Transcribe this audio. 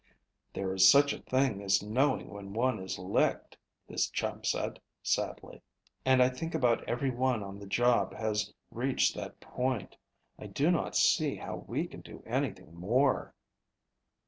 "There is such a thing as knowing when one is licked," his chum said sadly, "and I think about every one on the job has reached that point. I do not see how we can do anything more."